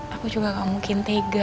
aku juga gak mungkin tega